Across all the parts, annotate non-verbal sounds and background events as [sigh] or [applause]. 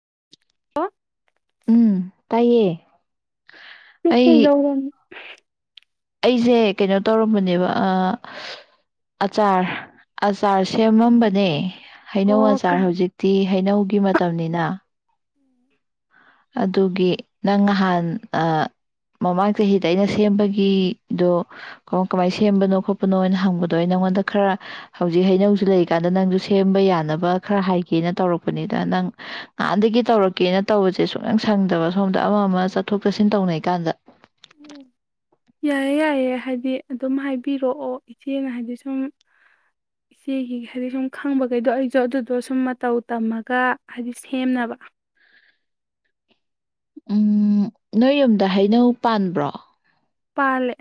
[unintelligible] ꯍꯦꯜ ꯎꯝ ꯇꯥꯏꯌꯦꯌꯦ ꯄꯤꯊꯤ ꯗꯧꯔꯅꯤ [unintelligible] ꯑꯩꯁꯦ ꯀꯩꯅꯣ ꯇꯧꯔꯝꯕꯅꯦꯕ ꯑꯆꯥꯔ ꯑꯆꯥꯔ ꯁꯦꯝꯃꯝꯕꯅꯦ ꯍꯩꯅꯧ ꯑꯣ ꯀ ꯑꯆꯥꯔ ꯍꯧꯖꯤꯛꯇꯤ ꯍꯩꯅꯧꯒꯤ ꯃꯇꯝꯅꯤꯅꯤꯅ ꯑꯗꯨꯒꯤ ꯅꯪ ꯅꯍꯥꯟ ꯃꯃꯥꯡ ꯆꯍꯤꯗ ꯑꯩꯅ ꯁꯦꯝꯕꯒꯤꯗꯣ ꯀ ꯀꯃꯥꯏꯅ ꯁꯦꯝꯕꯅꯣ ꯈꯣꯠꯄꯅꯣꯅ ꯍꯪꯕꯗꯣ ꯑꯩ ꯅꯪꯉꯣꯟꯗ ꯈꯔ ꯍꯧꯖꯤꯛ ꯍꯩꯅꯧꯁꯨ ꯂꯩꯔꯤꯀꯥꯟꯗ ꯅꯪꯁꯨ ꯁꯦꯝꯕ ꯌꯥꯅꯕ ꯈꯔ ꯍꯥꯏꯒꯦꯅ ꯇꯧꯔꯛꯄꯅꯤꯗ ꯅꯪ ꯉꯍꯥꯟꯗꯒꯤ ꯇꯧꯔꯛꯀꯦꯅ ꯇꯧꯕꯁꯦ ꯁꯦ ꯁꯨꯛꯂꯪ ꯁꯪꯗꯕ ꯁꯣꯝꯗ ꯑꯃ ꯑꯃ ꯆꯠꯊꯣꯛ ꯆꯠꯁꯤꯟ ꯇꯧꯅꯩ ꯀꯥꯟꯗ ꯑꯣ ꯌꯥꯏꯌꯦꯦ ꯌꯥꯏꯑꯦ ꯍꯥꯏꯗꯤ ꯑꯗꯨꯝ ꯍꯥꯏꯕꯤꯔꯛꯑꯣ ꯏꯆꯦꯅ ꯍꯥꯏꯗꯤ ꯁꯨꯝ ꯏꯆꯦꯒꯤ ꯍꯥꯏꯗꯤ ꯁꯨꯝ ꯈꯪꯕꯈꯩꯗꯣ ꯑꯩꯁꯨ ꯑꯗꯨꯗꯣ ꯁꯨꯝ ꯃꯇꯧ ꯇꯝꯃꯒ ꯍꯥꯏꯗꯤ ꯁꯦꯝꯅꯕ ꯎꯝ ꯅꯣꯏ ꯌꯨꯝꯗ ꯍꯩꯅꯧ ꯄꯥꯟꯕ꯭ꯔꯣ ꯄꯥꯜꯂꯦ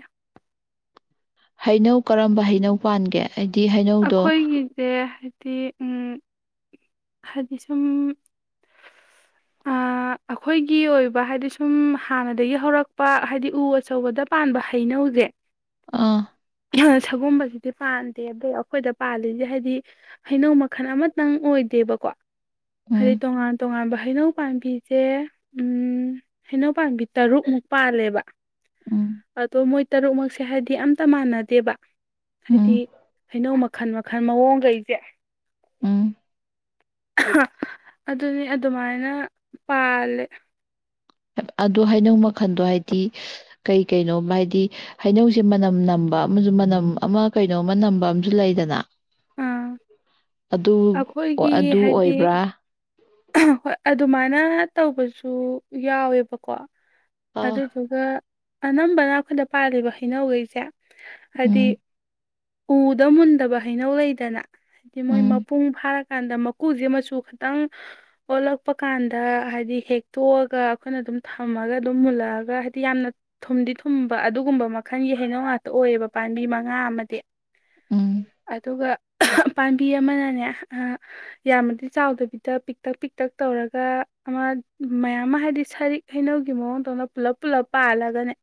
ꯍꯩꯅꯧ ꯀꯔꯝꯕ ꯍꯩꯅꯧ ꯄꯥꯟꯒꯦ ꯑꯩꯗꯤ ꯍꯩꯅꯧꯗꯣ ꯑꯩꯈꯣꯏꯒꯤꯗꯤ ꯍꯥꯏꯗꯤ ꯍꯥꯏꯗꯤ ꯁꯨꯝ ꯑꯩꯈꯣꯏꯒꯤ ꯑꯣꯏꯕ ꯍꯥꯏꯗꯤ ꯁꯨꯝ ꯍꯥꯟꯅꯗꯒꯤ ꯍꯧꯔꯛꯄ ꯍꯥꯏꯗꯤ ꯎ ꯑꯆꯧꯕꯗ ꯄꯥꯟꯕ ꯍꯩꯅꯧꯁꯦ ꯑꯥ ꯁꯒꯨꯝꯕꯁꯤꯗꯤ ꯄꯥꯟꯗꯦ ꯑꯗꯩ ꯑꯩꯈꯣꯏꯗ ꯄꯥꯜꯂꯤꯁꯦ ꯍꯥꯏꯗꯤ ꯍꯩꯅꯧ ꯃꯈꯜ ꯑꯃꯇꯪ ꯑꯣꯏꯗ ꯇꯦꯕꯀꯣ ꯍꯥꯏꯗ ꯎꯝ ꯇꯣꯉꯥꯟ ꯇꯣꯉꯥꯟ ꯍꯩꯅꯧ ꯄꯥꯝꯕꯤꯁꯦ ꯎ ꯍꯩꯅꯧ ꯄꯥꯝꯕꯤ ꯇꯔꯨꯛꯃꯨꯛ ꯄꯥꯜꯂꯦꯕ ꯎꯝ ꯑꯗꯣ ꯃꯣꯏ ꯇꯔꯨꯛꯃꯛꯁꯦ ꯍꯥꯏꯗꯤ ꯑꯝꯇ ꯃꯥꯟꯅꯗꯦꯕ ꯍꯥꯏꯗꯤ ꯎꯝ ꯍꯩꯅꯧ ꯃꯈꯜ ꯃꯈꯜ ꯃꯑꯣꯡꯈꯩꯁꯦ ꯎꯝ ꯑꯗꯨꯅꯤ ꯑꯗꯨꯃꯥꯏꯅ ꯄꯥꯜꯂꯦ ꯑꯗꯣ ꯍꯩꯅꯧ ꯃꯈꯜꯗꯣ ꯍꯥꯏꯗꯤ ꯀꯩ ꯀꯩꯅꯣ ꯍꯥꯏꯗꯤ ꯍꯩꯅꯧꯁꯦ ꯃꯅꯝ ꯅꯝꯕ ꯑꯃꯁꯨ ꯃꯅꯝ ꯑꯃ ꯀꯩꯅꯣꯃ ꯅꯝꯕ ꯑꯃꯁꯨ ꯂꯩꯗꯅ ꯑꯥ ꯑꯗꯨ ꯑꯩꯈꯣꯏꯒꯤ ꯑꯗꯨ ꯍꯥꯏꯗꯤ ꯑꯣꯏꯕ꯭ꯔꯥ ꯍꯣꯏ ꯑꯗꯨꯃꯥꯏꯅ ꯇꯧꯕꯁꯨ ꯌꯥꯎꯋꯦꯕꯀꯣ ꯑꯥ ꯑꯗꯨꯗꯨꯒ ꯑꯅꯝꯕꯅ ꯑꯩꯈꯣꯏꯗ ꯄꯥꯜꯂꯤꯕ ꯍꯩꯅꯧꯈꯩꯁꯦ ꯍꯥꯏꯗꯤ ꯎꯝ ꯎꯗ ꯃꯨꯟꯗꯕ ꯍꯩꯅꯧ ꯂꯩꯗꯅ ꯍꯥꯏꯗꯤ ꯃꯣꯏ ꯎꯝ ꯃꯄꯨꯡ ꯐꯥꯔꯀꯥꯟꯗ ꯁ꯭ꯀꯨꯜꯁꯦ ꯑꯃꯁꯨ ꯈꯤꯇꯪ ꯑꯣꯜꯂꯛꯄ ꯀꯥꯟꯗ ꯍꯥꯏꯗꯤ ꯍꯦꯛꯇꯣꯛꯑꯒ ꯑꯩꯈꯣꯏꯅ ꯑꯗꯨꯝ ꯊꯝꯃꯒ ꯑꯗꯨꯝ ꯃꯨꯜꯂꯛꯑꯒ ꯍꯥꯏꯗꯤ ꯌꯥꯝꯅ ꯊꯨꯝꯗꯤ ꯊꯨꯝꯕ ꯑꯗꯨꯒꯨꯝꯕ ꯃꯈꯜꯒꯤ ꯍꯩꯅꯧ ꯉꯥꯛꯇ ꯑꯣꯏꯌꯦꯕ ꯄꯥꯝꯕꯤ ꯃꯉꯥ ꯑꯃꯗꯤ ꯎꯝ ꯑꯗꯨꯒ ꯄꯥꯝꯕꯤ ꯑꯃꯅꯅꯦ ꯌꯥꯝꯃꯗꯤ ꯆꯥꯎꯗꯕꯤꯗ ꯄꯤꯛꯇꯛ ꯄꯤꯛꯇꯛ ꯇꯧꯔꯒ ꯑꯃ ꯃꯌꯥꯝ ꯑꯃ ꯍꯥꯏꯗꯤ ꯁꯔꯤꯛ ꯍꯩꯅꯧꯒꯤ ꯃꯑꯣꯡꯗꯧꯅ ꯄꯨꯜꯂꯞ ꯄꯨꯜꯂꯞ ꯄꯥꯜꯂꯒꯅꯦ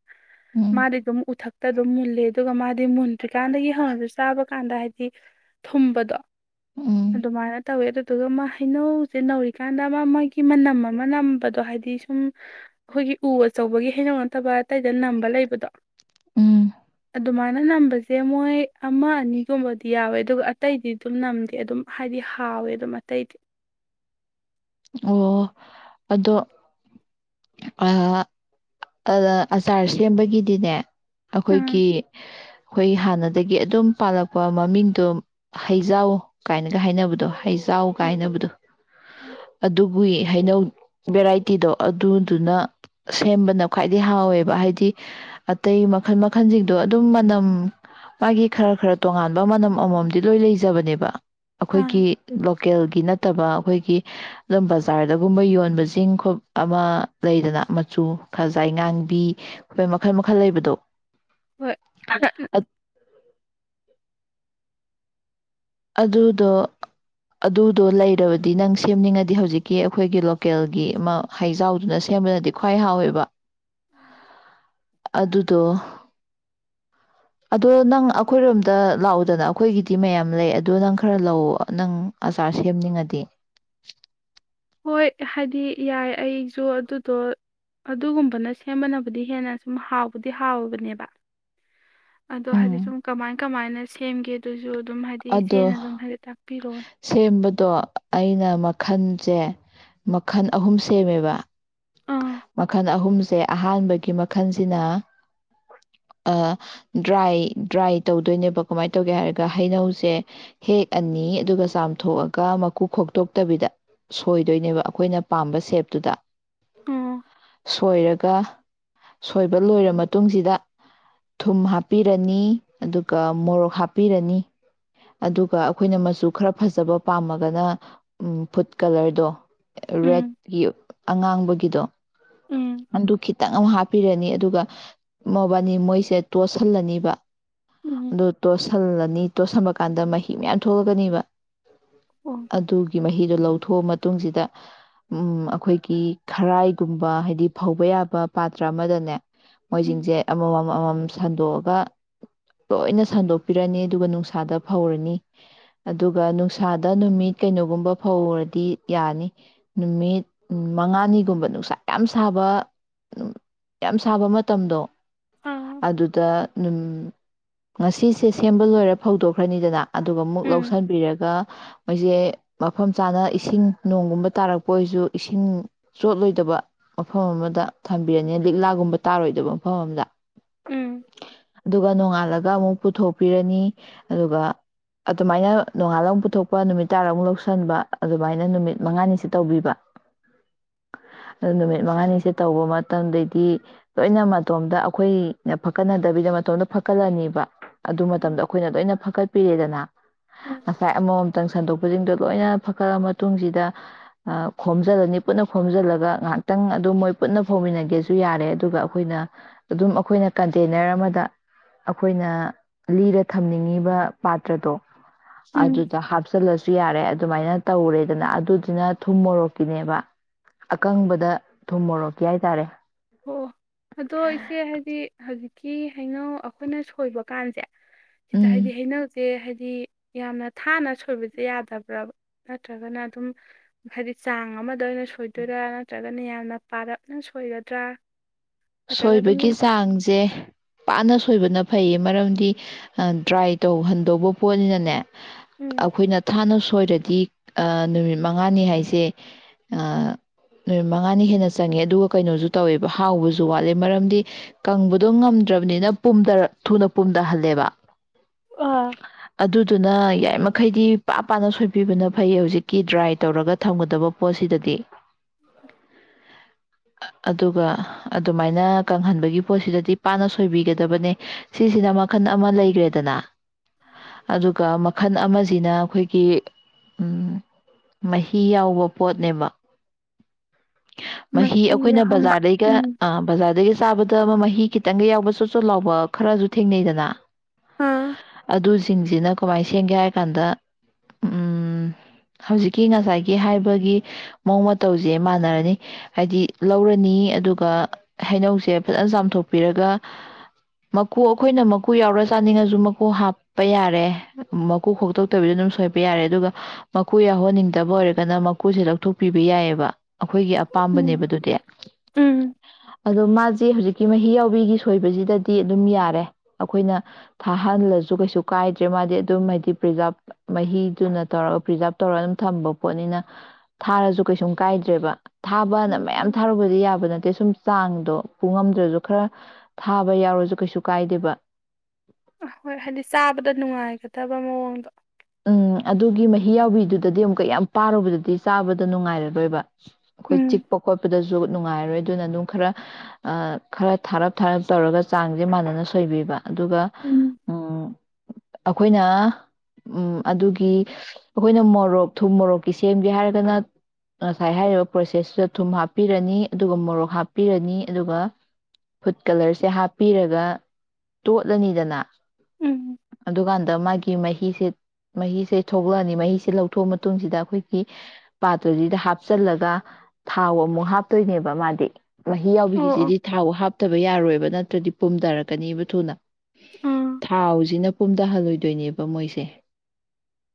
ꯎꯝ ꯃꯥꯗꯤꯒꯝ ꯎꯊꯛꯛꯇ ꯑꯗꯨꯝ ꯃꯨꯜꯂꯦ ꯑꯗꯨꯒ ꯃꯥꯗꯤ ꯃꯨꯟꯗ꯭ꯔꯤꯀꯥꯟꯗꯒꯤ ꯍꯧꯪꯉꯁꯨ ꯆꯥꯕ ꯀꯥꯟꯗ ꯍꯥꯏꯗꯤ ꯊꯨꯝꯕꯗꯣ ꯎꯝ ꯑꯗꯨꯃꯅ ꯇꯧꯋꯦ ꯑꯗꯨꯗꯨꯒ ꯃꯥ ꯍꯩꯅꯧ ꯁꯦ ꯅꯧꯔꯤꯀꯥꯟꯗ ꯑꯃ ꯃꯣꯏꯒꯤ ꯃꯅꯝ ꯑꯃ ꯅꯝꯕꯗꯣ ꯍꯥꯏꯗꯤ ꯁꯨꯝ ꯑꯩꯈꯣꯏꯒꯤ ꯎ ꯑꯆꯧꯕꯒꯤ ꯍꯩꯅꯧ ꯅꯠꯇꯕ ꯍꯥꯏꯔꯗꯤ ꯁꯤꯗ ꯅꯝꯕ ꯂꯩꯕꯗꯣ ꯎꯝ ꯑꯗꯨ ꯃꯥꯅ ꯅꯝꯕ ꯁꯦ ꯃꯣꯏ ꯑꯃ ꯑꯅꯤꯒꯨꯝꯕꯗꯤ ꯌꯥꯎꯋꯦ ꯑꯗꯨꯒ ꯑꯇꯩꯗꯤ ꯑꯗꯨꯝ ꯅꯝꯗꯦ ꯑꯗꯨꯝ ꯍꯥꯏꯗꯤ ꯍꯥꯎꯋꯦ ꯑꯗꯨꯝ ꯑꯇꯩꯗꯤ ꯑꯣ ꯑꯗꯣ ꯑ ꯑ ꯑꯆꯥꯔꯁ ꯁꯦꯝꯕꯒꯤꯗꯤꯅꯦ ꯎꯝ ꯑꯩꯈꯣꯏꯒꯤ ꯑꯩꯈꯣꯏ ꯍꯥꯟꯅꯗꯒꯤ ꯑꯗꯨꯝ ꯄꯥꯜꯂꯛꯄ ꯃꯃꯤꯡꯗꯣ ꯍꯩꯖꯥꯎ ꯀꯥꯏꯅꯒ ꯍꯥꯏꯅꯕꯗꯣ ꯍꯖ ꯆꯥꯎ ꯍꯣꯏ ꯀꯥꯏꯅꯕꯗꯣ ꯍꯣꯏ ꯑꯗꯨ ꯕꯨꯏ ꯍꯩꯅꯧ ꯚꯦꯔꯥꯏꯇꯤꯗꯣ ꯑꯗꯨꯗꯨꯅ ꯁꯦꯝꯕꯅ ꯈ꯭ꯋꯥꯏꯗꯩ ꯍꯥꯎꯋꯦꯕ ꯍꯥꯏꯗꯤ ꯑꯇꯩ ꯃꯈꯜ ꯃꯈꯜꯁꯤꯡꯗꯣ ꯑꯗꯨꯝ ꯃꯅꯝ ꯃꯥꯒꯤ ꯈꯔ ꯈꯔ ꯇꯣꯉꯥꯟꯕ ꯃꯅꯝ ꯑꯃꯃꯝꯗꯤ ꯂꯣꯏ ꯂꯩꯖꯕꯅꯦꯕ ꯑꯥ ꯑꯩꯈꯣꯏꯒꯤ ꯂꯣꯀꯦꯜꯒꯤ ꯅꯠꯇꯕ ꯑꯩꯈꯣꯏꯒꯤ ꯑꯗꯨꯝ ꯕꯖꯥꯔꯗꯒꯨꯝꯕ ꯌꯣꯟꯕꯁꯤꯡ ꯈꯣ ꯑꯃ ꯂꯩꯗꯅ ꯃꯆꯨ ꯈꯖꯥꯏ ꯉꯥꯡꯕꯤ ꯑꯩꯣꯏ ꯃꯈꯜ ꯃꯈꯜ ꯂꯩꯕꯗꯣ ꯍꯣꯏ [unintelligible] ꯑꯗꯨꯗꯣ ꯑꯗꯨꯗꯣ ꯂꯩꯔꯕꯗꯤ ꯅꯪ ꯁꯦꯝꯅꯤꯡꯉꯗꯤ ꯍꯧꯖꯤꯛꯀꯤ ꯑꯩꯈꯣꯏꯒꯤ ꯂꯣꯀꯦꯜꯒꯤ ꯑꯃ ꯍꯩꯖꯥꯎꯗꯨꯅ ꯁꯦꯝꯕꯅꯗꯤ ꯈ꯭ꯋꯥꯏ ꯍꯥꯎꯋꯦꯕ ꯑꯗꯨꯗꯣ ꯑꯗꯣ ꯅꯪ ꯑꯩꯈꯣꯏꯔꯣꯝꯗ ꯂꯥꯛꯎꯗꯅ ꯑꯩꯈꯣꯏꯒꯤꯗꯤ ꯃꯌꯥꯝ ꯂꯩ ꯑꯗꯨꯣ ꯅꯪ ꯈꯔ ꯂꯧ ꯅꯪ ꯑꯆꯥꯔ ꯁꯦꯝꯅꯤꯡꯉꯗꯤ ꯍꯣꯏ ꯍꯥꯏꯗꯤ ꯌꯥꯏ ꯑꯩꯁꯨ ꯑꯗꯨꯗꯣ ꯑꯗꯨꯒꯨꯝꯕꯅ ꯁꯦꯝꯕꯕꯨꯗꯤ ꯍꯦꯟꯅ ꯁꯨꯝ ꯍꯥꯎꯕꯨꯗꯤ ꯍꯥꯎꯕꯅꯦꯕ ꯑꯗꯣ ꯍꯥꯏꯗꯤ ꯎꯝ ꯁꯨꯝ ꯀꯃꯥꯏ ꯀꯃꯥꯏꯅ ꯁꯦꯝꯒꯦ ꯑꯗꯨꯁꯨ ꯑꯗꯣ ꯁꯦꯝꯕꯗꯣ ꯑꯩꯅ ꯃꯈꯜ ꯁꯦ ꯃꯈꯜ ꯑꯍꯨꯝ ꯁꯦꯝꯃꯦꯕ ꯑꯥ ꯃꯈꯜ ꯑꯍꯨꯝꯁꯦ ꯑꯍꯥꯟꯕꯒꯤ ꯃꯈꯜꯁꯤꯅ ꯗ꯭ꯔꯥꯏ ꯗ꯭ꯔꯥꯏ ꯇꯧꯗꯣꯏꯅꯦꯕ ꯀꯃꯥꯏꯅ ꯇꯧꯒꯦ ꯍꯥꯏꯔꯒ ꯍꯩꯅꯧꯁꯦ ꯍꯦꯛꯑꯅꯤ ꯑꯗꯨꯒ ꯆꯥꯝꯊꯣꯛꯑꯒ ꯃꯀꯨ ꯈꯣꯛꯇꯣꯛꯇꯕꯤꯗ ꯁꯣꯏꯗꯣꯏꯅꯦꯕ ꯑꯩꯈꯣꯏꯅ ꯄꯥꯝꯕ ꯁꯦꯞꯇꯨꯗ ꯎꯝ ꯁꯣꯏꯔꯒ ꯁꯣꯏꯕ ꯂꯣꯏꯔ ꯃꯇꯨꯡꯁꯤꯗ ꯊꯨꯝ ꯍꯥꯞꯄꯤꯔꯅꯤ ꯑꯗꯨꯒ ꯃꯣꯔꯣꯛ ꯍꯥꯞꯄꯤꯔꯅꯤ ꯑꯗꯨꯒ ꯑꯩꯈꯣꯏꯅ ꯃꯆꯨ ꯈꯔ ꯐꯖꯕ ꯄꯥꯝꯃꯒꯅ ꯐꯨꯗ ꯀꯂꯔꯗꯣ ꯎꯝ ꯔꯦꯠꯀꯤ ꯑꯉꯥꯡꯕꯒꯤꯗꯣ ꯎꯝ ꯑꯗꯨ ꯈꯤꯇꯪ ꯑꯃ ꯍꯥꯞꯄꯤꯔꯅꯤ ꯑꯗꯨꯒ ꯃꯕꯥꯅꯤ ꯃꯣꯏꯁꯦ ꯇꯣꯠꯁꯤꯜꯂꯅꯤꯕ ꯎꯝ ꯑꯗꯨ ꯇꯣꯠꯁꯤꯜꯂꯅꯤ ꯇꯣ ꯁꯃꯒ ꯀꯥꯟꯗ ꯃꯍꯤ ꯃꯌꯥꯝ ꯊꯣꯛꯂꯛꯀꯅꯦꯕ ꯑꯣ ꯑꯗꯨ ꯃꯍꯤꯗꯣ ꯂꯧꯊꯣꯛꯑ ꯃꯇꯨꯡꯁꯤꯗ ꯎ ꯑꯩꯈꯣꯏꯒꯤ ꯈꯔꯥꯏꯒꯨꯝꯕ ꯍꯥꯏꯗꯤ ꯐꯧꯕ ꯌꯥꯕ ꯄꯥꯇ꯭ꯔ ꯑꯃꯗꯅꯦ ꯎꯝ ꯃꯣꯏꯁꯤꯡꯁꯦ ꯑꯃꯃꯝꯃꯝ ꯁꯟꯗꯣꯛꯑꯒ ꯂꯣꯏꯅ ꯁꯟꯗꯣꯛꯄꯤꯔꯅꯤ ꯑꯗꯨꯒ ꯅꯨꯡꯁꯥꯗ ꯐꯧꯔꯅꯤ ꯑꯗꯨꯒ ꯅꯨꯡꯁꯥꯗ ꯅꯨꯃꯤꯠ ꯀꯩꯅꯣꯒꯨꯝꯕ ꯐꯧꯔꯗꯤ ꯌꯥꯅꯤ ꯅꯨꯃꯤꯠ ꯃꯉꯥꯅꯤꯒꯨꯝꯕ ꯅꯨꯡꯁꯥ ꯌꯥꯝ ꯁꯥꯕ ꯌꯥꯝ ꯁꯥꯕ ꯃꯇꯝꯗꯣ ꯑꯥ ꯑꯗꯨꯗꯝ ꯉꯁꯤꯁꯦ ꯁꯦꯝꯕ ꯂꯣꯏꯔꯦ ꯐꯧꯗꯣꯛ ꯈꯔꯣꯏꯅꯤꯗꯅ ꯑꯗꯨꯒ ꯑꯃꯨꯛ ꯎꯝ ꯂꯧꯁꯤꯟꯕꯤꯔꯒ ꯃꯣꯏꯁꯦ ꯃꯐꯝ ꯆꯥꯅ ꯏꯁꯤꯡ ꯅꯣꯡꯒꯨꯝꯕ ꯇꯥꯔꯛꯄ ꯑꯣꯏꯔꯁꯨ ꯏꯁꯤꯡ ꯆꯣꯠꯂꯣꯏꯗꯕ ꯃꯐꯝ ꯑꯃꯗ ꯊꯝꯕꯤꯔꯅꯤ ꯂꯤꯛꯂꯥꯒꯨꯝꯕ ꯇꯥꯔꯣꯏꯗꯕ ꯃꯐꯝ ꯑꯃꯗ ꯎꯝ ꯑꯗꯨꯒ ꯅꯣꯡꯉꯥꯜꯂꯒ ꯑꯃꯨꯛ ꯄꯨꯊꯣꯛꯄꯤꯔꯅꯤ ꯑꯗꯨꯒ ꯑꯗꯨꯃꯥꯏꯅ ꯅꯣꯡꯉꯥꯜꯂ ꯑꯃꯛ ꯄꯨꯊꯣꯛꯄ ꯅꯨꯃꯤꯠ ꯇꯥꯔꯥ ꯑꯃꯨꯛ ꯂꯧꯁꯟꯕ ꯑꯗꯨꯃꯥꯏꯅ ꯅꯨꯃꯤꯠ ꯃꯉꯥꯅꯤꯁꯦ ꯇꯧꯕꯤꯕ ꯑꯗꯨ ꯅꯨꯃꯤꯠ ꯃꯉꯥꯅꯤꯁꯦ ꯇꯧꯕ ꯃꯇꯝꯗꯩꯗꯤ ꯂꯣꯏꯅ ꯃꯇꯣꯝꯗ ꯑꯩꯈꯣꯏꯅ ꯐꯀꯠꯅꯗꯕꯤꯗ ꯃꯇꯣꯝꯇ ꯐꯛꯀꯠꯂꯅꯤꯕ ꯑꯗꯨ ꯎꯝ ꯃꯇꯝꯗ ꯑꯩꯈꯣꯏꯅ ꯂꯣꯏꯅ ꯍꯥꯀꯠꯄꯤꯔꯦꯗꯅ ꯎꯝ ꯑꯁꯥꯏ ꯑꯃ ꯉꯍꯥꯛꯇꯪ ꯁꯟꯗꯣꯛꯄꯁꯤꯡꯗꯣ ꯂꯣꯏꯅ ꯐꯒꯠꯂ ꯃꯇꯨꯡꯁꯤꯗ ꯈꯣꯝꯖꯤꯜꯂꯅꯤ ꯄꯨꯟꯅ ꯈꯣꯝꯖꯤꯜꯂꯒ ꯉꯥꯏꯍꯥꯛꯇꯪ ꯑꯗꯨꯝ ꯃꯣꯏ ꯄꯨꯟꯅ ꯐꯣꯝꯃꯤꯟꯅꯒꯦꯁꯨ ꯌꯥꯔꯦ ꯑꯗꯨꯒ ꯑꯩꯈꯣꯏꯅ ꯑꯗꯨꯝ ꯑꯩꯈꯣꯏꯅ ꯀꯟꯇꯦꯅꯔ ꯑꯃꯗ ꯑꯩꯈꯣꯏꯅ ꯂꯤꯗ ꯊꯝꯅꯤꯡꯉꯤ ꯄꯥꯇ꯭ꯔ ꯇꯣ ꯎꯝ ꯑꯗꯨꯗ ꯍꯥꯞꯁ ꯂꯁꯤ ꯌꯥꯔꯦ ꯑꯗꯨꯃꯥꯏꯅ ꯇꯧꯔꯦꯗꯅ ꯑꯗꯨꯗꯨꯅ ꯊꯨꯝ ꯃꯣꯔꯣꯛꯀꯤꯅꯦꯕ ꯑꯀꯪꯕꯗ ꯊꯨꯝ ꯃꯣꯔꯣꯛꯀꯤ ꯍꯥꯏꯇꯥꯔꯦ ꯑꯣ ꯑꯗꯣ ꯏꯆꯦ ꯍꯥꯏꯗꯤ ꯍꯧꯖꯤꯛꯀꯤ ꯍꯩꯅꯧ ꯑꯩꯈꯣꯏꯅ ꯁꯣꯏꯕ ꯀꯥꯟꯁꯦ ꯁꯤꯈꯤꯗ ꯎꯝ ꯍꯥꯏꯗꯤ ꯍꯩꯅꯜꯁꯦ ꯍꯥꯏꯗꯤ ꯗꯤ ꯌꯥꯝꯅ ꯊꯥꯅ ꯁꯣꯏꯕꯁꯦ ꯌꯥꯗꯕ꯭ꯔꯕ ꯅꯠꯇ꯭ꯔꯒꯅ ꯑꯗꯨꯝ ꯍꯥꯏꯗꯤ ꯆꯥꯡ ꯑꯃꯗ ꯑꯣꯏꯅ ꯁꯣꯏꯗꯣꯏꯔꯥ ꯅꯠꯇ꯭ꯔꯒꯅ ꯌꯥꯝꯅ ꯄꯥꯔꯞꯅ ꯁꯣꯏꯒ ꯇ꯭ꯔꯥ ꯁꯣꯏꯕꯒꯤ ꯆꯥꯡꯁꯦ ꯄꯥꯅ ꯁꯣꯏꯕꯅ ꯐꯩꯌꯦ ꯃꯔꯝꯗꯤ ꯗ꯭ꯔꯥꯏ ꯇꯧꯍꯟꯗꯧꯕ ꯄꯣꯠꯅꯤꯅꯅꯦ ꯎꯝ ꯑꯩꯈꯣꯏꯅ ꯊꯥꯅ ꯁꯣꯏꯔꯦꯗꯤ ꯅꯨꯃꯤꯠ ꯃꯉꯥꯅꯤ ꯍꯥꯏꯁꯦ ꯅꯨꯃꯤꯠ ꯃꯉꯥꯅꯤ ꯍꯦꯟꯅ ꯆꯪꯉꯦ ꯑꯗꯨꯒ ꯀꯩꯅꯣꯁꯨ ꯇꯧꯋꯦꯕ ꯍꯥꯎꯕꯁꯨ ꯨ ꯋꯥꯠꯂꯦ ꯃꯔꯝꯗꯤ ꯀꯪꯕꯗꯣ ꯉꯝꯗ꯭ꯔꯕꯅꯤꯅ ꯊꯨꯅ ꯄꯨꯝꯊꯍꯜꯂꯦꯕ ꯑꯥ ꯑꯗꯨꯗꯨꯅ ꯌꯥꯏ ꯃꯈꯩꯗꯤ ꯄꯥꯞ ꯄꯥꯅ ꯁꯣꯏꯕꯤꯕꯅ ꯐꯩꯌꯦ ꯍꯧꯖꯤꯛꯀꯤ ꯗ꯭ꯔꯥꯏ ꯇꯧꯔꯒ ꯊꯝꯒꯗꯕ ꯄꯣꯠꯁꯤꯗꯗꯤ ꯎ ꯑꯗꯨꯒ ꯑꯗꯨꯃꯥꯏꯅ ꯀꯪꯍꯟꯕꯒꯤ ꯄꯣꯠꯁꯤꯗꯗꯤ ꯄꯥꯅ ꯁꯣꯏꯕꯤꯒꯗꯕꯅꯦ ꯁꯤꯁꯤꯅ ꯃꯈꯜ ꯑꯃ ꯂꯩꯈ꯭ꯔꯦꯗꯅ ꯑꯗꯨꯒ ꯃꯈꯜ ꯑꯃꯁꯤꯅ ꯑꯩꯈꯣꯏꯒꯤ ꯎ ꯃꯍꯤ ꯌꯥꯎꯕ ꯄꯣꯠꯅꯦꯕ ꯃꯍꯤ ꯑꯩꯈꯣꯏꯅ ꯌꯥꯎꯍꯟꯕ ꯕꯖꯥꯔꯗꯩꯒ ꯎꯝ ꯑ ꯁ ꯑ ꯑꯗꯨꯗꯒꯤꯒꯤ ꯁꯥꯕꯗ ꯍꯤ ꯈꯤꯇꯪꯒ ꯌꯥꯎꯕ ꯆꯣꯠ ꯆꯣꯠ ꯂꯥꯎꯕ ꯈꯔꯁꯨ ꯊꯦꯡꯅꯩꯗꯅ ꯑꯥ ꯑꯗꯨꯁꯤꯡꯁꯤꯅ ꯀꯃꯥꯏꯅ ꯁꯦꯝꯒꯦ ꯍꯥꯏ ꯀꯥꯟꯗ ꯍꯧꯖꯤꯛꯀꯤ ꯉꯁꯥꯏꯒꯤ ꯍꯥꯏꯕꯒꯤ ꯃꯑꯣꯡ ꯃꯇꯧꯁꯦ ꯃꯥꯟꯅꯔꯅꯤ ꯍꯥꯏꯗꯤ ꯂꯧꯔꯅꯤ ꯑꯗꯨꯒ ꯍꯩꯅꯧꯁꯦ ꯐꯖꯅ ꯆꯥꯝꯊꯣꯛꯄꯤꯔꯒ ꯃꯀꯨ ꯑꯩꯈꯣꯏꯅ ꯃꯀꯨ ꯌꯥꯎꯔ ꯆꯥꯅꯤꯡꯉꯁꯨ ꯃꯀꯨ ꯍꯥꯞꯄ ꯌꯥꯔꯦ ꯃꯀꯨ ꯈꯣꯛꯇꯣꯛꯇꯕꯤꯗ ꯑꯗꯨꯝ ꯁꯣꯏꯄ ꯌꯥꯔꯦ ꯑꯗꯨꯒ ꯃꯀꯨ ꯌꯥꯎꯍꯟꯅꯤꯡꯗꯕ ꯑꯣꯏꯔꯒꯅ ꯃꯀꯨꯁꯦ ꯂꯧꯊꯣꯛꯄꯤꯕ ꯌꯥꯏꯑꯕ ꯑꯩꯈꯣꯏꯒꯤ ꯑꯄꯥꯝꯕꯅꯦꯕ ꯎꯝ ꯑꯗꯨꯗꯤ ꯎꯝ ꯑꯗꯣ ꯃꯥꯁꯦ ꯍꯧꯖꯤꯛꯀꯤ ꯃꯍꯤ ꯌꯥꯎꯕꯤꯒꯤ ꯁꯣꯏꯕꯁꯤꯗꯗꯤ ꯑꯗꯨꯝ ꯌꯥꯔꯦ ꯑꯩꯈꯣꯏꯅ ꯊꯥꯍꯜꯂꯁꯨ ꯀꯩꯁꯨ ꯀꯥꯏꯗ꯭ꯔꯦ ꯃꯥꯗꯤ ꯑꯗꯨꯝ ꯍꯥꯏꯗꯤ ꯄ꯭ꯔꯤꯖꯥꯕ ꯃꯍꯤꯗꯨꯅ ꯇꯧꯔꯒ ꯄ꯭ꯔꯤꯖꯥꯕ ꯇꯧꯔ ꯑꯗꯨꯝ ꯊꯝꯕ ꯄꯣꯠꯅꯤꯅ ꯊꯥꯔꯁꯨ ꯀꯩꯁꯨꯝ ꯀꯥꯏꯗ꯭ꯔꯦꯕ ꯊꯥꯕꯅ ꯎꯝ ꯃꯌꯥꯝ ꯎꯝ ꯊꯥꯔꯨꯕꯗꯤ ꯌꯥꯕ ꯅꯠꯇꯦ ꯁꯨꯝ ꯆꯥꯡꯗꯣ ꯄꯨꯡꯉꯝꯗ꯭ꯔꯁꯨ ꯈꯔ ꯊꯥꯕ ꯌꯥꯎꯔꯁꯨ ꯀꯩꯁꯨ ꯀꯥꯏꯗꯦꯕ ꯑꯍꯣꯏ ꯍꯥꯏꯗꯤ ꯆꯥꯕꯗ ꯅꯨꯡꯉꯥꯏꯒꯗꯕ ꯃꯑꯣꯡꯗꯣ ꯎꯝ ꯑꯗꯨꯒꯤ ꯃꯍꯤ ꯌꯥꯎꯕꯤꯗꯨꯗꯗꯤ ꯑꯃꯨꯛꯀ ꯌꯥꯝ ꯄꯥꯔꯨꯕꯗꯗꯤ ꯆꯥꯕꯗ ꯅꯨꯡꯉꯥꯏꯔꯔꯣꯏꯕ ꯑꯩꯈꯣꯏ ꯎꯝ ꯆꯤꯛꯄ ꯈꯣꯠꯄꯗꯁꯨ ꯅꯨꯡꯉꯥꯏꯔꯣꯏ ꯑꯗꯨꯅ ꯑꯗꯨꯝ ꯈꯔ ꯈꯔ ꯊꯥꯔꯞ ꯊꯥꯔꯞ ꯇꯧꯔꯒ ꯆꯥꯡꯁꯦ ꯃꯥꯟꯅꯅ ꯁꯣꯏꯕꯤꯕ ꯑꯗꯨꯒ ꯎꯝ ꯑꯩꯈꯣꯏꯅ ꯎꯝ ꯑꯗꯨꯒꯤ ꯑꯩꯈꯣꯏꯅ ꯃꯣꯔꯣꯛ ꯊꯨꯝ ꯃꯣꯔꯣꯛꯀꯤ ꯁꯦꯝꯒꯦ ꯍꯥꯏꯔꯒꯅ ꯉꯁꯥꯏ ꯍꯥꯏꯔꯤꯕ ꯄ꯭ꯔꯣꯁꯦꯁꯇꯨꯗ ꯊꯨꯝ ꯍꯥꯞꯄꯤꯔꯅꯤ ꯑꯗꯨꯒ ꯃꯣꯔꯣꯛ ꯍꯥꯞꯄꯤꯔꯅꯤ ꯑꯗꯨꯒ ꯐꯨꯗ ꯀꯂꯔꯁꯦ ꯍꯥꯞꯄꯤꯔꯒ ꯇꯣꯠꯂꯅꯤꯗꯅ ꯎꯝ ꯗꯨꯀꯥꯟꯗ ꯃꯥꯒꯤ ꯃꯍꯤꯁꯤ ꯃꯍꯤꯁꯦ ꯊꯣꯛꯂꯛꯑꯅꯤ ꯃꯍꯤꯁꯦ ꯂꯧꯊꯣꯛꯑ ꯃꯇꯨꯡꯁꯤꯗ ꯑꯩꯈꯣꯏꯒꯤ ꯄꯥꯇꯔꯤꯗ ꯍꯥꯞꯆꯜꯂꯒ ꯊꯥꯎ ꯑꯃꯨꯛ ꯍꯥꯞꯇꯣꯏꯅꯦꯕ ꯃꯥꯗꯤ ꯃꯍꯤ ꯑꯣ ꯑꯣ ꯌꯥꯎꯕꯤꯒꯤꯁꯤꯗꯤ ꯊꯥꯎ ꯍꯥꯞꯇꯕ ꯌꯥꯔꯣꯏꯕ ꯅꯠꯇ ꯭ꯔꯗꯤ ꯄꯨꯝꯊꯔꯛꯀꯅꯦꯕ ꯊꯨꯅ ꯑꯥ ꯊꯥꯎꯁꯤꯅ ꯄꯨꯝꯊꯍꯜꯂꯣꯏꯗꯣꯏꯅꯦꯕ ꯃꯣꯏꯁꯦ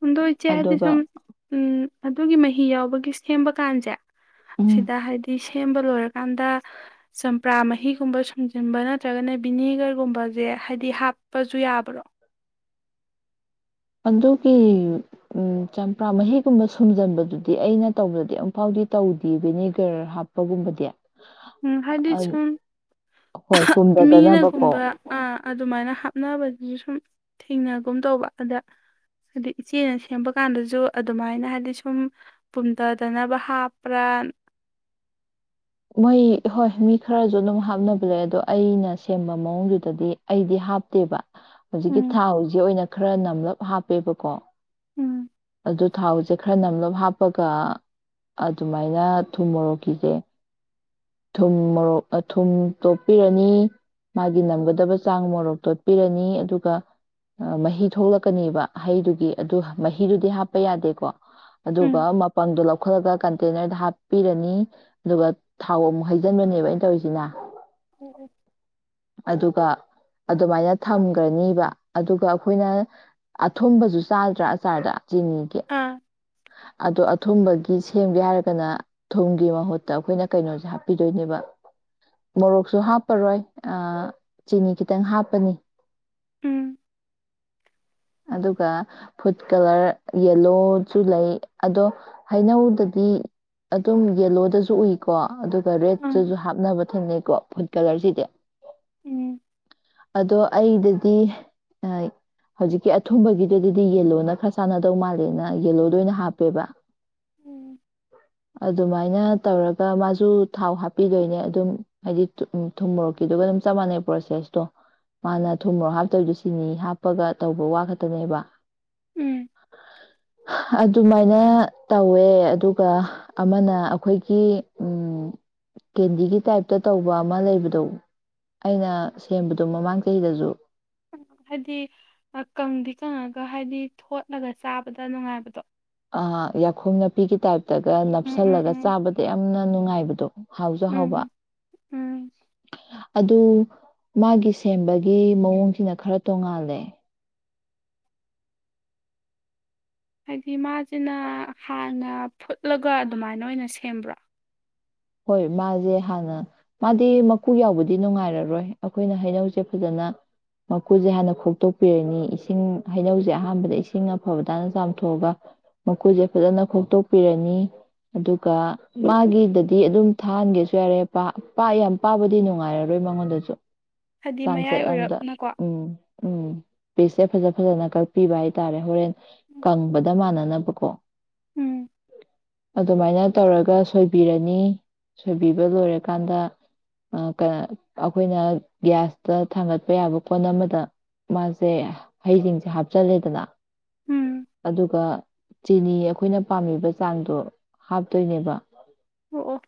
ꯍꯗꯣ ꯏꯆꯦ ꯍꯥꯏꯗꯤ ꯑꯗꯨꯒ ꯁꯨꯝ ꯎꯝ ꯑꯗꯨꯒꯤ ꯃꯍꯤ ꯌꯥꯎꯕꯒꯤ ꯁꯦꯝꯕ ꯀꯥꯟꯁꯦ ꯎꯝ ꯁꯤꯗ ꯍꯥꯏꯗꯤ ꯁꯦꯝꯕ ꯂꯣꯏꯔꯀꯥꯟꯗ ꯆꯝꯄ꯭ꯔꯥ ꯃꯍꯤꯒꯨꯝꯕ ꯁꯨꯝꯖꯤꯟꯕ ꯅꯠꯇ꯭ꯔꯒꯅ ꯚꯕꯤꯅꯦꯒꯔꯒꯨꯝꯕꯁꯦ ꯍꯥꯏꯕꯗꯤ ꯍꯥꯞꯄꯁꯨ ꯌꯥꯕ꯭ꯔꯣ ꯑꯗꯨꯒꯤ ꯆꯝꯄ꯭ꯔꯥ ꯃꯍꯤꯒꯨꯝꯕ ꯁꯨꯝꯖꯤꯟꯕꯗꯨꯗꯤ ꯑꯩꯅ ꯇꯧꯕꯗꯗꯤ ꯑꯃꯨꯛꯐꯥꯎꯗꯤ ꯇꯧꯗꯦ ꯚꯦꯅꯦꯒꯔ ꯍꯥꯞꯄꯒꯨꯝꯕꯗꯤ ꯎꯝ ꯍꯥꯏꯗꯤ ꯁꯨꯝ ꯍꯣꯏ ꯄꯨꯝꯊꯗꯅꯕꯀꯣ ꯃꯤꯅꯒꯨꯝꯕ ꯑ ꯑꯗꯨꯃꯥꯏꯅ ꯍꯥꯞꯅꯕꯗꯨꯁꯨ ꯁꯨꯝ ꯊꯦꯡꯅꯒꯨꯝ ꯇꯧꯕ ꯑꯗ ꯍꯥꯏꯗꯤ ꯏꯆꯦꯅ ꯁꯦꯝꯕ ꯀꯥꯟꯗꯁꯨ ꯑꯗꯨꯃꯥꯏꯅ ꯍꯥꯏꯗꯤ ꯁꯨꯝ ꯄꯨꯝꯊꯗꯅꯕ ꯍꯥꯞꯄ꯭ꯔꯥ ꯃꯣꯏ ꯍꯣꯏ ꯃꯤ ꯈꯔꯁꯨ ꯑꯗꯨꯝ ꯍꯥꯞꯅꯕ ꯂꯩ ꯑꯗꯣ ꯑꯩꯅ ꯁꯦꯝꯕ ꯃꯑꯣꯡꯗꯨꯗꯗꯤ ꯑꯩꯗꯤ ꯍꯥꯞꯇꯦꯕ ꯍꯧꯖꯤꯛꯀꯤ ꯎꯝ ꯊꯥꯎꯁꯛ ꯑꯣꯏꯅ ꯈꯔ ꯅꯝꯂꯞ ꯍꯥꯞꯄꯦꯕꯀꯣ ꯎꯝ ꯑꯗꯨ ꯊꯥꯎꯁꯦ ꯈꯔ ꯅꯝꯂꯞ ꯍꯥꯞ ꯍꯥꯞꯄꯒ ꯑꯗꯨꯃꯥꯏꯅ ꯊꯨꯝꯃꯣꯔꯣꯛꯈꯤꯁꯦ ꯊꯨꯝ ꯃꯣꯔꯣꯛ ꯊꯨꯝ ꯇꯣꯠꯄꯤꯔꯅꯤ ꯃꯥꯒꯤ ꯅꯝꯒꯗꯕ ꯆꯥꯡ ꯃꯣꯔꯣꯛ ꯇꯣꯠꯄꯤꯔꯅꯤ ꯑꯗꯨꯒ ꯃꯍꯤ ꯊꯣꯛꯂꯛꯀꯅꯦꯕ ꯍꯩꯗꯨꯒꯤ ꯑꯗꯨ ꯃꯍꯤꯗꯨꯗꯤ ꯍꯥꯞꯄ ꯌꯥꯗꯦꯀꯣ ꯑꯗꯨꯒ ꯎꯝ ꯃꯄꯜꯗꯣ ꯂꯧ ꯂꯧꯈꯠꯂꯒ ꯀꯟꯇꯦꯅꯔꯗ ꯍꯥꯞꯄꯤꯔꯅꯤ ꯑꯗꯨꯒ ꯊꯥꯎ ꯑꯃꯨꯛ ꯍꯩꯖꯤꯟꯕꯅꯦꯕ ꯑꯩꯅ ꯇꯧꯔꯤꯁꯤꯅ ꯎꯝ ꯎꯝ ꯑꯗꯨꯒ ꯑꯗꯨꯃꯥꯏꯅ ꯊꯝꯒ꯭ꯔꯅꯤꯕ ꯑꯗꯨꯒ ꯑꯩꯈꯣꯏꯅ ꯑꯊꯨꯝꯕꯖꯨ ꯆꯥꯗ꯭ꯔꯥ ꯑꯆꯥꯔꯗ ꯆꯤꯅꯤꯒꯤ ꯑꯥ ꯑꯗꯣ ꯑꯊꯨꯝꯕꯒꯤ ꯁꯦꯝꯒꯦ ꯍꯥꯏꯔꯒꯅ ꯊꯨꯝꯒꯤ ꯃꯍꯨꯠꯇ ꯑꯩꯈꯣꯏꯅ ꯀꯩꯅꯣꯁꯦ ꯍꯥꯞꯄꯤꯗꯣꯏꯅꯦꯕ ꯃꯣꯔꯣꯛꯁꯨ ꯍꯥꯞꯄꯔꯣꯏ ꯑ ꯆꯤꯅꯤ ꯈꯤꯇꯪ ꯍꯥꯞꯄꯅꯤ ꯎꯝ ꯑꯗꯨꯒ ꯐꯨꯗ ꯀꯂꯔ ꯌꯦꯜꯂꯣꯁꯨ ꯂꯩ ꯑꯗꯣ ꯍꯩꯅꯧꯗꯗꯤ ꯑꯗꯨꯝ ꯌꯦꯜꯂꯣꯗꯁꯨ ꯎꯏꯀꯣ ꯔꯦꯠꯇꯁꯨ ꯎꯝ ꯍꯥꯞꯅꯕ ꯊꯦꯡꯅꯩ ꯀꯣ ꯐꯨꯗ ꯀꯂꯔꯁꯤꯗꯤ ꯎꯝ ꯑꯗꯣ ꯑꯩꯗꯗꯤ ꯑ ꯍꯧꯖꯤꯛꯀꯤ ꯑꯊꯨꯝꯕꯒꯤꯗꯗꯤ ꯌꯦꯂꯣꯅ ꯈꯔ ꯆꯥꯟꯅꯗꯧ ꯃꯥꯜꯂꯦꯅ ꯌꯦꯂꯣꯗ ꯑꯣꯏꯅ ꯍꯥꯞꯄꯦꯕ ꯎꯝ ꯑꯗꯨꯃꯥꯏꯅ ꯇꯧꯔꯒ ꯃꯥꯁꯨ ꯊꯥꯎ ꯍꯥꯞꯄꯤꯗꯣꯏꯅꯦ ꯑꯗꯨꯝ ꯍꯥꯏꯗꯤ ꯊꯨꯝ ꯊꯨꯝ ꯃꯣꯔꯣꯛ ꯀꯤꯗꯨꯒ ꯑꯗꯨꯝ ꯆꯞ ꯃꯥꯟꯅꯩ ꯄ꯭ꯔꯣꯁꯦꯁꯇꯣ ꯃꯥꯅ ꯊꯨꯝꯃꯔꯣꯛ ꯍꯥꯞꯇꯕꯤ ꯆꯤꯅꯤ ꯍꯥꯞꯄꯒ ꯇꯧꯕ ꯋꯥ ꯈꯛꯇꯅꯦꯕ ꯍ ꯎꯝ ꯍ ꯍ ꯑꯗꯨꯃꯥꯏꯅ ꯇꯧꯋꯦ ꯑꯗꯨꯒ ꯑꯃꯅ ꯑꯩꯈꯣꯏꯒꯤ ꯎꯝ ꯀꯦꯟꯗꯤꯒꯤ ꯇꯥꯏꯞꯇ ꯇꯧꯕ ꯑꯃ ꯂꯩꯕꯗꯣ ꯑꯩꯅ ꯁꯦꯝꯕꯗꯣ ꯃꯃꯥꯡ ꯆꯍꯤꯗꯁꯨ ꯍꯥꯏꯗꯤ ꯀꯪꯗꯤ ꯀꯪꯉꯒ ꯍꯥꯏꯗꯤ ꯊꯣꯠꯂꯒ ꯆꯥꯕꯗ ꯅꯨꯡꯉꯥꯏꯕꯗꯣ ꯑ ꯌꯥꯈꯣꯡ ꯅꯞꯄꯤꯒꯤ ꯇꯥꯏꯞ ꯇꯒ ꯎꯝ ꯎꯝ ꯅꯞꯁꯤꯜꯂꯒ ꯎꯝ ꯆꯥꯕꯗ ꯌꯥꯝꯅ ꯅꯨꯡꯉꯥꯏꯕꯗꯣ ꯍꯥꯎꯖ ꯍꯥꯎꯕ ꯎꯝ ꯎꯝ ꯑꯗꯨ ꯃꯥꯒꯤ ꯁꯦꯝꯕꯒꯤ ꯃꯑꯣꯡꯁꯤꯅ ꯈꯔ ꯇꯣꯡꯉꯥꯜꯂꯦ ꯍꯥꯏꯗꯤ ꯃꯥꯖꯤꯅ ꯍꯥꯟꯅ ꯐꯨꯠꯂꯒ ꯑꯗꯨꯃꯥꯏꯅ ꯑꯣꯏꯅ ꯁꯦꯝꯕ꯭ꯔꯣ ꯍꯣꯏ ꯃꯥꯁꯦ ꯍꯥꯟꯅ ꯃꯥꯗꯤ ꯃꯀꯨ ꯌꯥꯎꯕꯗꯤ ꯅꯨꯡꯉꯥꯏꯔꯔꯣꯏ ꯑꯩꯈꯣꯏꯅ ꯍꯩꯅꯧꯁꯦ ꯐꯖꯅ ꯃꯀꯨꯁꯦ ꯍꯥꯟꯅ ꯈꯣꯛꯇꯣꯛꯄꯤꯔꯅꯤ ꯏꯁꯤꯡ ꯍꯩꯅꯧꯁꯦ ꯑꯍꯥꯟꯕꯗ ꯏꯁꯤꯡ ꯑꯐꯕꯗ ꯍꯥꯟꯅ ꯆꯥꯝꯊꯣꯛꯑꯒ ꯃꯀꯨꯁꯦ ꯐꯖꯅ ꯈꯣꯛꯇꯣꯛꯄꯤꯔꯅꯤ ꯑꯗꯨꯒ ꯃꯥꯒꯤꯗꯗꯤ ꯗꯤ ꯑꯗꯨꯝ ꯊꯥꯍꯟꯒꯦꯁꯨ ꯌꯥꯔꯦ ꯄꯥ ꯄꯥ ꯌꯥꯝ ꯄꯥꯕꯗꯤ ꯅꯨꯡꯉꯥꯏꯔꯔꯣꯏ ꯃꯉꯣꯟꯗꯁꯨ ꯍꯥꯏꯗꯤ ꯃꯌꯥꯏ ꯆꯥꯡꯆꯠ ꯑꯝꯗ ꯑꯣꯏꯔꯞꯅꯀꯣ ꯎꯝ ꯎꯝ ꯄꯤꯁꯁꯦ ꯐꯖ ꯐꯖꯅ ꯀꯛꯄꯤꯕ ꯍꯥꯏꯇꯥꯔꯦ ꯍꯣꯔꯦꯟ ꯀꯪꯕꯗꯥ ꯃꯥꯟꯅ ꯅꯕꯀꯣ ꯎꯝ ꯑꯗꯨꯃꯥꯏꯅ ꯇꯧꯔꯒ ꯁꯣꯏꯕꯤꯔꯅꯤ ꯅꯤ ꯁꯣꯏꯕꯤꯕ ꯂꯣꯏꯔꯀꯥꯟꯗ ꯑ ꯀ ꯑꯩꯈꯣꯏꯅ ꯒ꯭ꯌꯥꯁꯇ ꯊꯥꯡꯒꯠꯄ ꯌꯥꯕ ꯄꯣꯣꯟ ꯑꯃꯗ ꯃꯥꯁꯦ ꯍꯩꯁꯤꯡꯁꯦ ꯍꯥꯞꯆꯜꯂꯦꯗꯅ ꯎꯝ ꯑꯗꯨꯒ ꯆꯤꯅꯤ ꯑꯩꯈꯣꯏꯅ ꯄꯥꯝꯃꯤꯕ ꯆꯥꯡꯗꯣ ꯍꯥꯞꯇꯣꯏꯅꯦꯕ ꯑꯣ ꯑꯣ